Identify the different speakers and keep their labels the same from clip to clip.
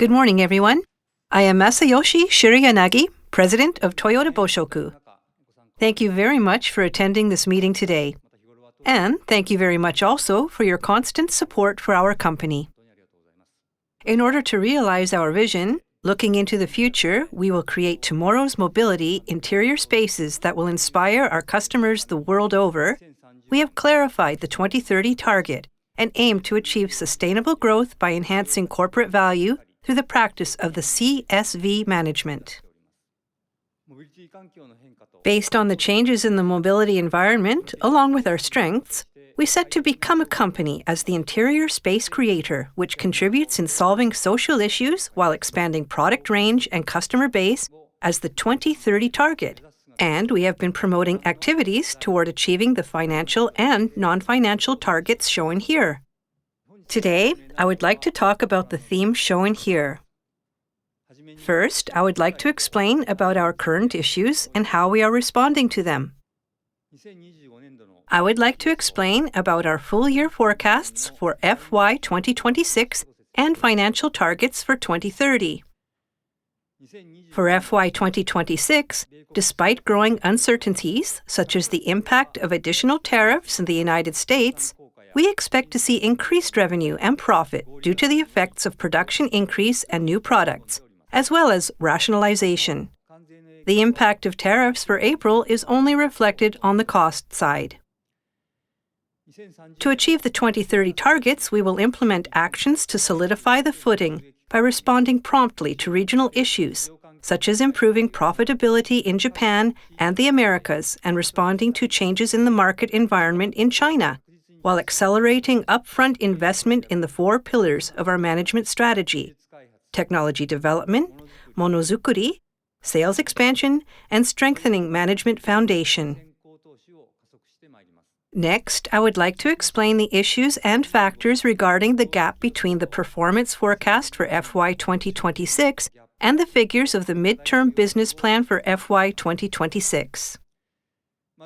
Speaker 1: Good morning, everyone. I am Masayoshi Shirayanagi, President of Toyota Boshoku. Thank you very much for attending this meeting today, and thank you very much also for your constant support for our company. In order to realize our vision, looking into the future, we will create tomorrow's mobility Interior Spaces that will inspire our customers the world over. We have clarified the 2030 target and aim to achieve sustainable growth by enhancing corporate value through the practice of the CSV management. Based on the changes in the mobility environment, along with our strengths, we set to become a company as the Interior Space Creator, which contributes in solving social issues while expanding product range and customer base as the 2030 target, and we have been promoting activities toward achieving the financial and non-financial targets shown here. Today, I would like to talk about the theme shown here. First, I would like to explain about our current issues and how we are responding to them. I would like to explain about our full year forecasts for FY 2026 and financial targets for 2030. For FY 2026, despite growing uncertainties, such as the impact of additional tariffs in the United States, we expect to see increased revenue and profit due to the effects of production increase and new products, as well as rationalization. The impact of tariffs for April is only reflected on the cost side. To achieve the 2030 targets, we will implement actions to solidify the footing by responding promptly to regional issues, such as improving profitability in Japan and the Americas, and responding to changes in the market environment in China, while accelerating upfront investment in the four pillars of our management strategy: technology development, Monozukuri, sales expansion, and strengthening management foundation. Next, I would like to explain the issues and factors regarding the gap between the performance forecast for FY 2026 and the figures of the Mid-term Business Plan for FY 2026.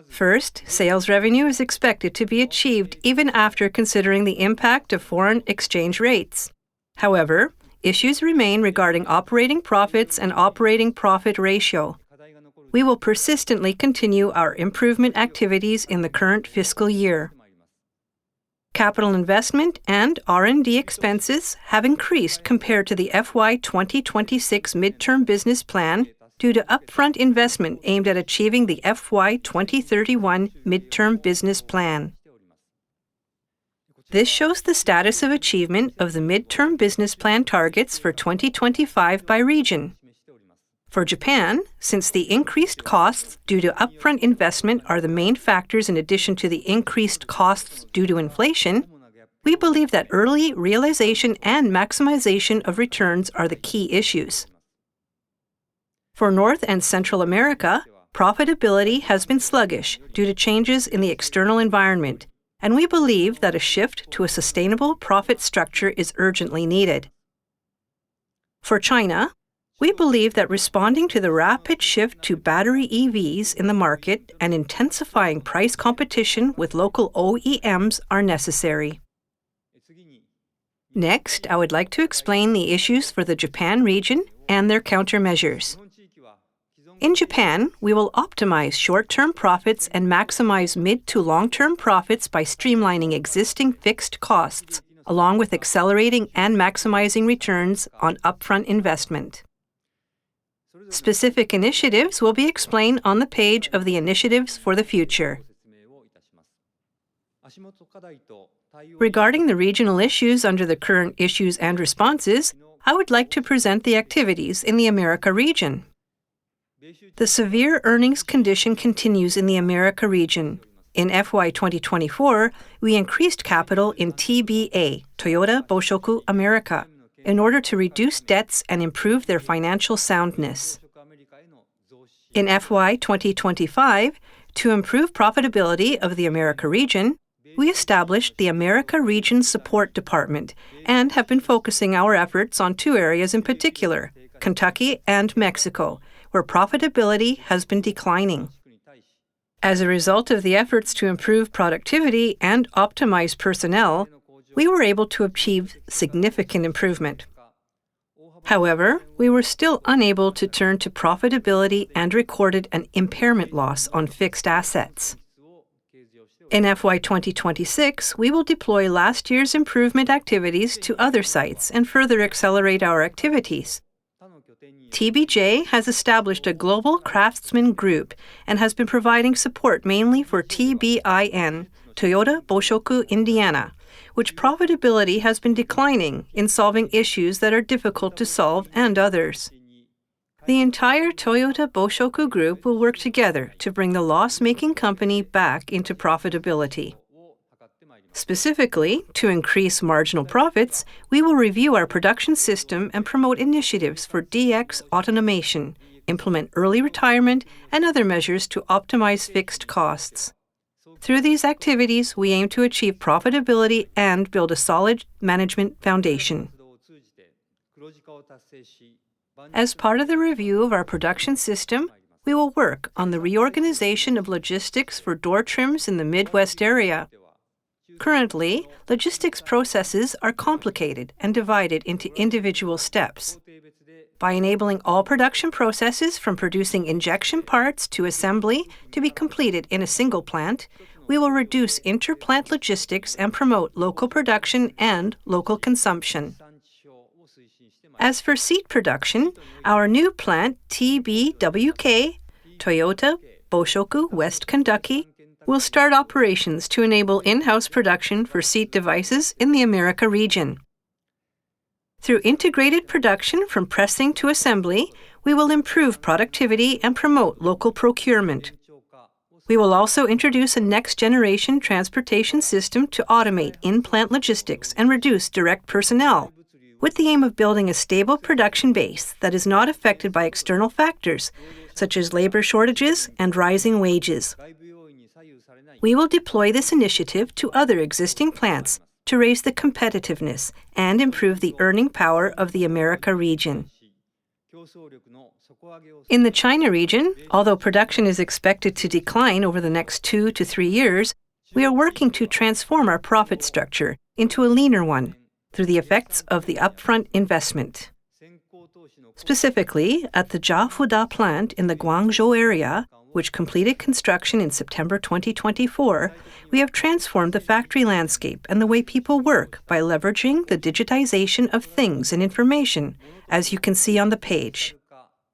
Speaker 1: First, sales revenue is expected to be achieved even after considering the impact of foreign exchange rates. However, issues remain regarding operating profits and operating profit ratio. We will persistently continue our improvement activities in the current fiscal year. Capital investment and R&D expenses have increased compared to the FY 2026 Mid-term Business Plan due to upfront investment aimed at achieving the FY 2031 Mid-term Business Plan. This shows the status of achievement of the Mid-term Business Plan targets for 2025 by region. For Japan, since the increased costs due to upfront investment are the main factors in addition to the increased costs due to inflation, we believe that early realization and maximization of returns are the key issues. For North and Central America, profitability has been sluggish due to changes in the external environment, and we believe that a shift to a sustainable profit structure is urgently needed. For China, we believe that responding to the rapid shift to battery EVs in the market and intensifying price competition with local OEMs are necessary. Next, I would like to explain the issues for the Japan region and their countermeasures. In Japan, we will optimize short-term profits and maximize mid to long-term profits by streamlining existing fixed costs, along with accelerating and maximizing returns on upfront investment. Specific initiatives will be explained on the page of the initiatives for the future. Regarding the regional issues under the current issues and responses, I would like to present the activities in the America region. The severe earnings condition continues in the America region. In FY 2024, we increased capital in TBA, Toyota Boshoku America, in order to reduce debts and improve their financial soundness. In FY 2025, to improve profitability of the America region, we established the America Region Support Department and have been focusing our efforts on two areas in particular, Kentucky and Mexico, where profitability has been declining. As a result of the efforts to improve productivity and optimize personnel, we were able to achieve significant improvement. However, we were still unable to turn to profitability and recorded an impairment loss on fixed assets. In FY 2026, we will deploy last year's improvement activities to other sites and further accelerate our activities. TBJ has established a Global Craftsman Group and has been providing support mainly for TBIN, Toyota Boshoku Indiana, which profitability has been declining in solving issues that are difficult to solve and others. The entire Toyota Boshoku Group will work together to bring the loss-making company back into profitability. Specifically, to increase marginal profits, we will review our production system and promote initiatives for DX automation, implement early retirement, and other measures to optimize fixed costs. Through these activities, we aim to achieve profitability and build a solid management foundation. As part of the review of our production system, we will work on the reorganization of logistics for door trims in the Midwest area.... Currently, logistics processes are complicated and divided into individual steps. By enabling all production processes, from producing injection parts to assembly, to be completed in a single plant, we will reduce inter-plant logistics and promote local production and local consumption. As for seat production, our new plant, TBWK, Toyota Boshoku Western Kentucky, will start operations to enable in-house production for seat devices in the America region. Through integrated production from pressing to assembly, we will improve productivity and promote local procurement. We will also introduce a next-generation transportation system to automate in-plant logistics and reduce direct personnel, with the aim of building a stable production base that is not affected by external factors, such as labor shortages and rising wages. We will deploy this initiative to other existing plants to raise the competitiveness and improve the earning power of the America region. In the China region, although production is expected to decline over the next 2-3 years, we are working to transform our profit structure into a leaner one through the effects of the upfront investment. Specifically, at the Zhifuda plant in the Guangzhou area, which completed construction in September 2024, we have transformed the factory landscape and the way people work by leveraging the digitization of things and information, as you can see on the page.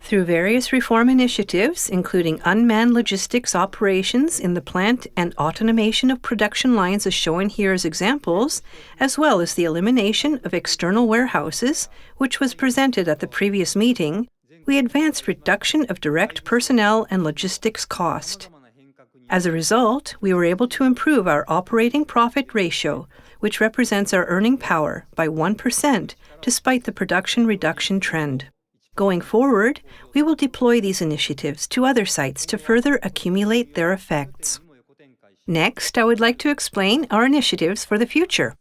Speaker 1: Through various reform initiatives, including unmanned logistics operations in the plant and automation of production lines, as shown here as examples, as well as the elimination of external warehouses, which was presented at the previous meeting, we advanced reduction of direct personnel and logistics cost. As a result, we were able to improve our operating profit ratio, which represents our earning power by 1%, despite the production reduction trend. Going forward, we will deploy these initiatives to other sites to further accumulate their effects. Next, I would like to explain our initiatives for the future.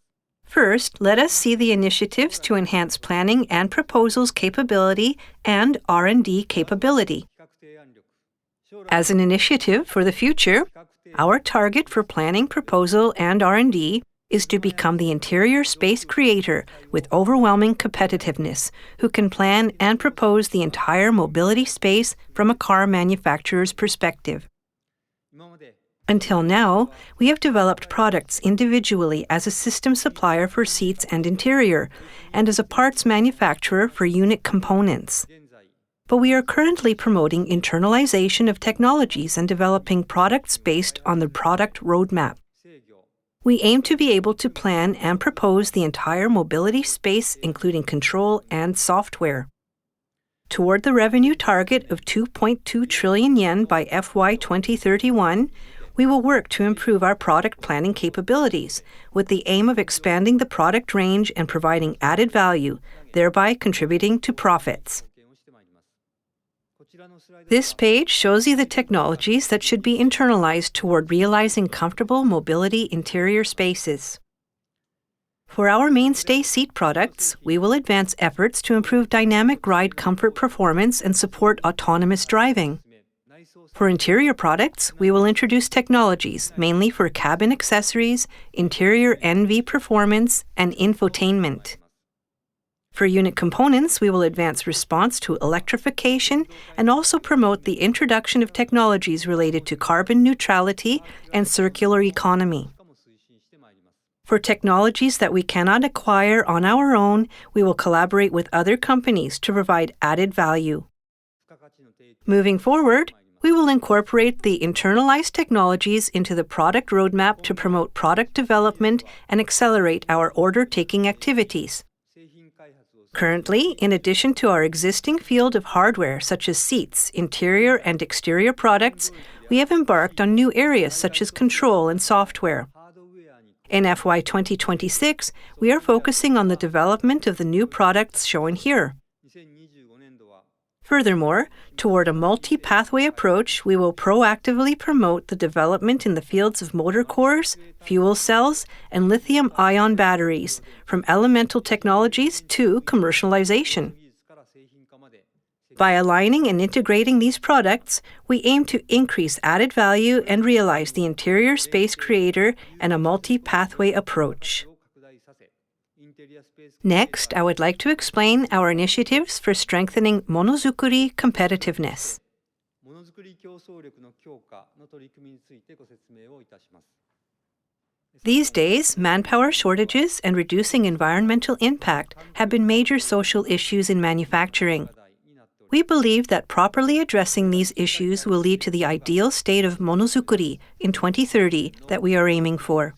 Speaker 1: First, let us see the initiatives to enhance planning and proposals capability and R&D capability. As an initiative for the future, our target for planning, proposal, and R&D is to become the Interior Space Creator with overwhelming competitiveness, who can plan and propose the entire mobility space from a car manufacturer's perspective. Until now, we have developed products individually as a system supplier for seats and interior, and as a parts manufacturer for unit components. But we are currently promoting internalization of technologies and developing products based on the product roadmap. We aim to be able to plan and propose the entire mobility space, including control and software. Toward the revenue target of 2.2 trillion yen by FY 2031, we will work to improve our product planning capabilities, with the aim of expanding the product range and providing added value, thereby contributing to profits. This page shows you the technologies that should be internalized toward realizing comfortable mobility Interior Spaces. For our mainstay seat products, we will advance efforts to improve dynamic ride comfort, performance, and support autonomous driving. For interior products, we will introduce technologies, mainly for cabin accessories, interior NV performance, and infotainment. For unit components, we will advance response to electrification and also promote the introduction of technologies related to carbon neutrality and circular economy. For technologies that we cannot acquire on our own, we will collaborate with other companies to provide added value. Moving forward, we will incorporate the internalized technologies into the product roadmap to promote product development and accelerate our order-taking activities. Currently, in addition to our existing field of hardware, such as seats, interior, and exterior products, we have embarked on new areas such as control and software. In FY 2026, we are focusing on the development of the new products shown here. Furthermore, toward a Multi-Pathway approach, we will proactively promote the development in the fields of motor cores, fuel cells, and lithium-ion batteries, from elemental technologies to commercialization. By aligning and integrating these products, we aim to increase added value and realize the Interior Space Creator and a Multi-Pathway approach. Next, I would like to explain our initiatives for strengthening Monozukuri competitiveness. These days, manpower shortages and reducing environmental impact have been major social issues in manufacturing. We believe that properly addressing these issues will lead to the ideal state of Monozukuri in 2030 that we are aiming for.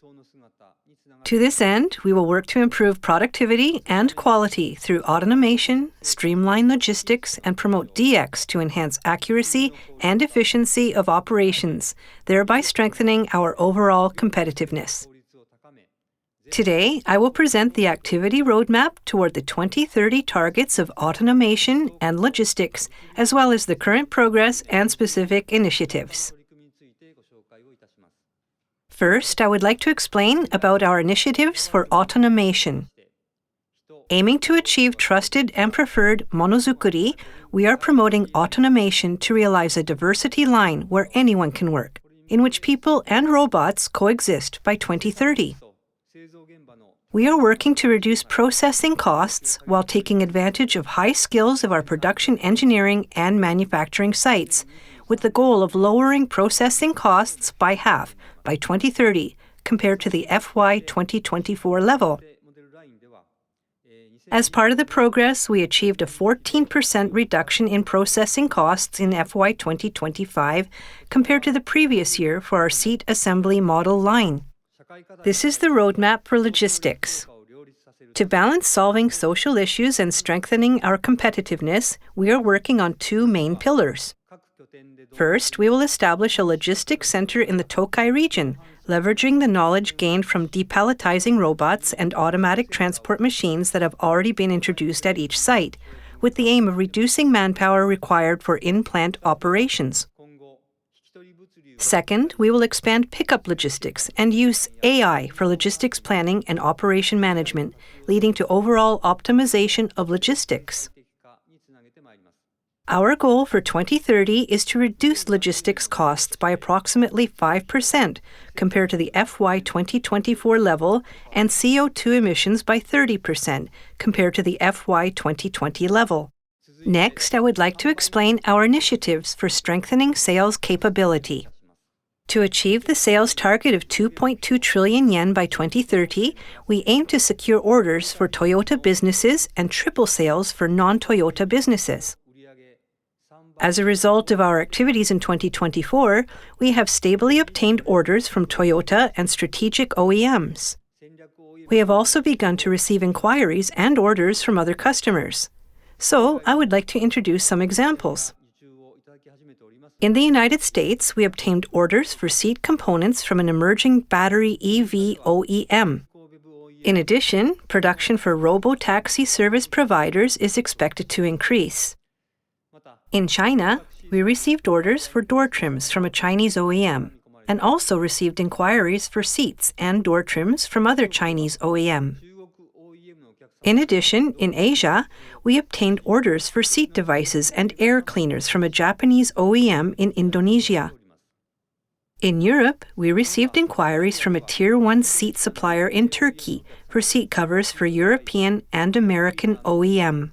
Speaker 1: To this end, we will work to improve productivity and quality through automation, streamline logistics, and promote DX to enhance accuracy and efficiency of operations, thereby strengthening our overall competitiveness. Today, I will present the activity roadmap toward the 2030 targets of automation and logistics, as well as the current progress and specific initiatives. First, I would like to explain about our initiatives for automation. Aiming to achieve trusted and preferred Monozukuri, we are promoting automation to realize a diversity line where anyone can work, in which people and robots coexist by 2030. We are working to reduce processing costs while taking advantage of high skills of our production, engineering, and manufacturing sites, with the goal of lowering processing costs by half by 2030 compared to the FY 2024 level. As part of the progress, we achieved a 14% reduction in processing costs in FY 2025 compared to the previous year for our seat assembly model line. This is the roadmap for logistics. To balance solving social issues and strengthening our competitiveness, we are working on two main pillars. First, we will establish a logistics center in the Tokai region, leveraging the knowledge gained from depalletizing robots and automatic transport machines that have already been introduced at each site, with the aim of reducing manpower required for in-plant operations. Second, we will expand pickup logistics and use AI for logistics planning and operation management, leading to overall optimization of logistics. Our goal for 2030 is to reduce logistics costs by approximately 5% compared to the FY 2024 level, and CO2 emissions by 30% compared to the FY 2020 level. Next, I would like to explain our initiatives for strengthening sales capability. To achieve the sales target of 2.2 trillion yen by 2030, we aim to secure orders for Toyota businesses and triple sales for non-Toyota businesses. As a result of our activities in 2024, we have stably obtained orders from Toyota and strategic OEMs. We have also begun to receive inquiries and orders from other customers. So I would like to introduce some examples. In the United States, we obtained orders for seat components from an emerging battery EV OEM. In addition, production for robotaxi service providers is expected to increase. In China, we received orders for door trims from a Chinese OEM, and also received inquiries for seats and door trims from other Chinese OEM. In addition, in Asia, we obtained orders for seat devices and air cleaners from a Japanese OEM in Indonesia. In Europe, we received inquiries from a Tier 1 seat supplier in Turkey for seat covers for European and American OEM.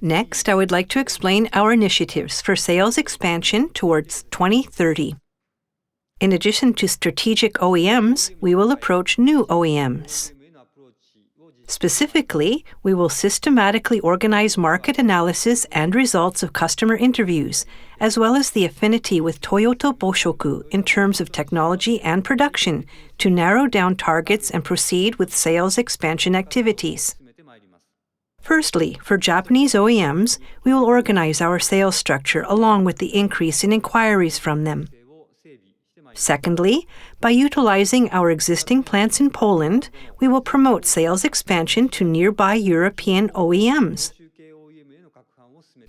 Speaker 1: Next, I would like to explain our initiatives for sales expansion towards 2030. In addition to strategic OEMs, we will approach new OEMs. Specifically, we will systematically organize market analysis and results of customer interviews, as well as the affinity with Toyota Boshoku in terms of technology and production, to narrow down targets and proceed with sales expansion activities. Firstly, for Japanese OEMs, we will organize our sales structure along with the increase in inquiries from them. Secondly, by utilizing our existing plants in Poland, we will promote sales expansion to nearby European OEMs.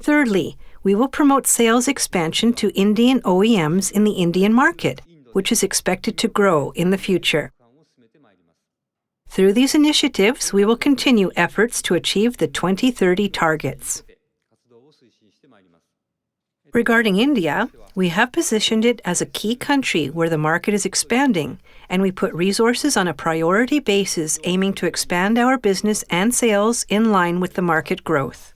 Speaker 1: Thirdly, we will promote sales expansion to Indian OEMs in the Indian market, which is expected to grow in the future. Through these initiatives, we will continue efforts to achieve the 2030 targets. Regarding India, we have positioned it as a key country where the market is expanding, and we put resources on a priority basis, aiming to expand our business and sales in line with the market growth.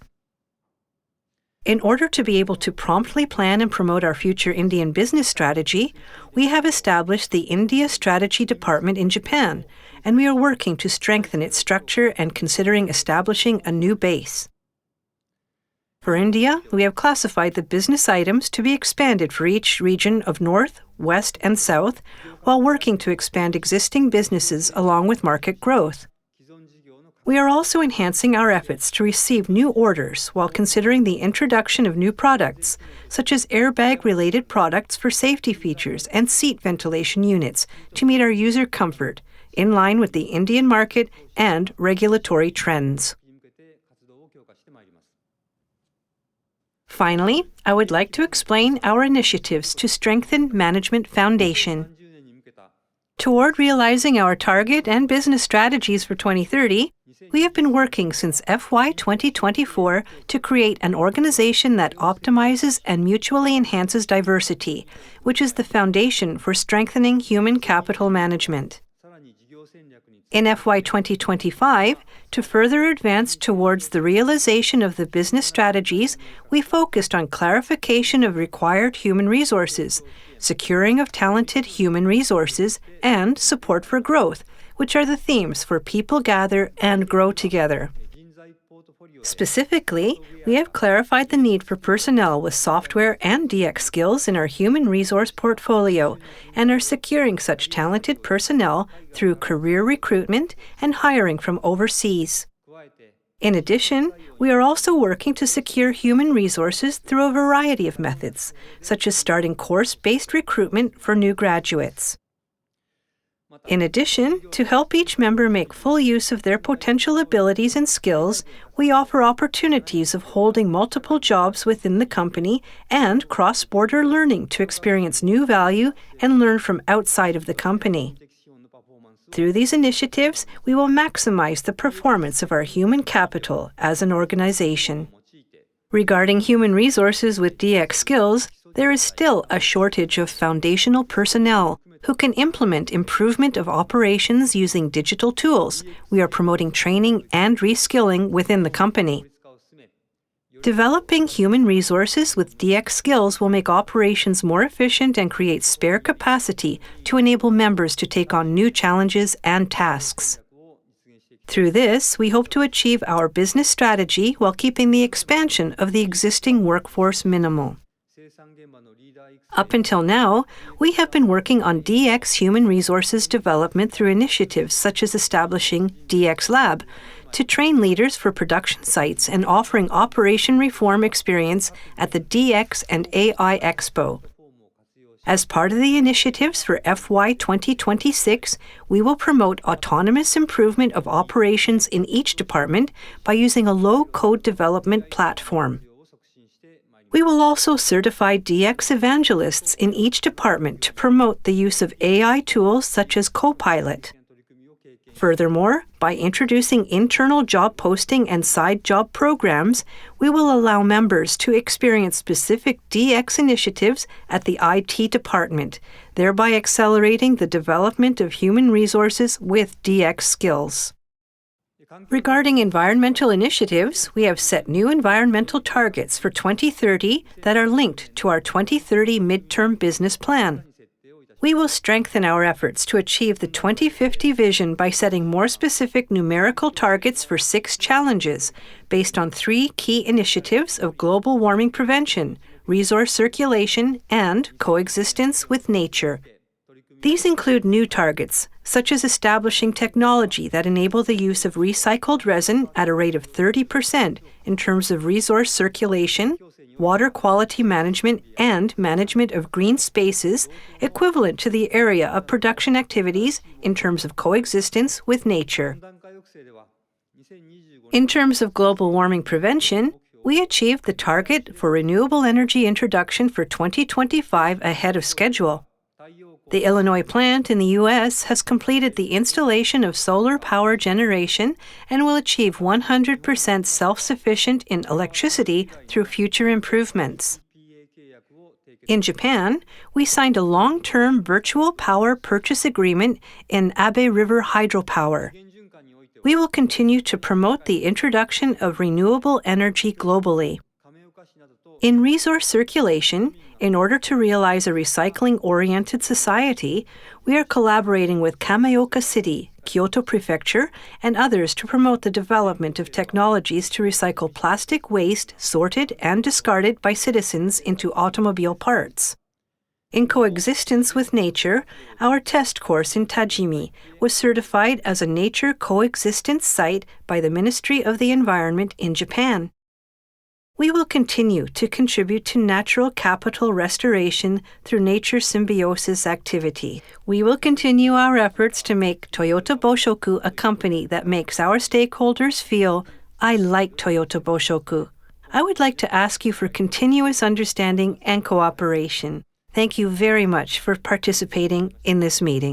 Speaker 1: In order to be able to promptly plan and promote our future Indian business strategy, we have established the India Strategy Department in Japan, and we are working to strengthen its structure and considering establishing a new base. For India, we have classified the business items to be expanded for each region of North, West, and South, while working to expand existing businesses along with market growth. We are also enhancing our efforts to receive new orders while considering the introduction of new products, such as airbag-related products for safety features and seat ventilation units to meet our user comfort in line with the Indian market and regulatory trends. Finally, I would like to explain our initiatives to strengthen management foundation. Toward realizing our target and business strategies for 2030, we have been working since FY 2024 to create an organization that optimizes and mutually enhances diversity, which is the foundation for strengthening human capital management. In FY 2025, to further advance towards the realization of the business strategies, we focused on clarification of required human resources, securing of talented human resources, and support for growth, which are the themes for People Gather and Grow Together. Specifically, we have clarified the need for personnel with software and DX skills in our human resource portfolio and are securing such talented personnel through career recruitment and hiring from overseas. In addition, we are also working to secure human resources through a variety of methods, such as starting course-based recruitment for new graduates. In addition, to help each member make full use of their potential abilities and skills, we offer opportunities of holding multiple jobs within the company and cross-border learning to experience new value and learn from outside of the company. Through these initiatives, we will maximize the performance of our human capital as an organization. Regarding human resources with DX skills, there is still a shortage of foundational personnel who can implement improvement of operations using digital tools. We are promoting training and re-skilling within the company. Developing human resources with DX skills will make operations more efficient and create spare capacity to enable members to take on new challenges and tasks. Through this, we hope to achieve our business strategy while keeping the expansion of the existing workforce minimal. Up until now, we have been working on DX human resources development through initiatives such as establishing DX Lab to train leaders for production sites and offering operation reform experience at the DX and AI Expo. As part of the initiatives for FY 2026, we will promote autonomous improvement of operations in each department by using a low-code development platform. We will also certify DX Evangelists in each department to promote the use of AI tools, such as Copilot. Furthermore, by introducing internal job posting and side job programs, we will allow members to experience specific DX initiatives at the IT department, thereby accelerating the development of human resources with DX skills. Regarding environmental initiatives, we have set new environmental targets for 2030 that are linked to our 2030 Mid-term Business Plan. We will strengthen our efforts to achieve the 2050 vision by setting more specific numerical targets for six challenges based on three key initiatives of global warming prevention, resource circulation, and coexistence with nature. These include new targets, such as establishing technology that enable the use of recycled resin at a rate of 30% in terms of resource circulation, water quality management, and management of green spaces equivalent to the area of production activities in terms of coexistence with nature. In terms of global warming prevention, we achieved the target for renewable energy introduction for 2025 ahead of schedule. The Illinois plant in the U.S. has completed the installation of solar power generation and will achieve 100% self-sufficient in electricity through future improvements. In Japan, we signed a long-term virtual power purchase agreement in Abe River Hydropower. We will continue to promote the introduction of renewable energy globally. In resource circulation, in order to realize a recycling-oriented society, we are collaborating with Kameoka City, Kyoto Prefecture, and others to promote the development of technologies to recycle plastic waste, sorted and discarded by citizens into automobile parts. In coexistence with nature, our test course in Tajimi was certified as a Nature Coexistence Site by the Ministry of the Environment in Japan. We will continue to contribute to natural capital restoration through nature symbiosis activity. We will continue our efforts to make Toyota Boshoku a company that makes our stakeholders feel, "I like Toyota Boshoku." I would like to ask you for continuous understanding and cooperation. Thank you very much for participating in this meeting.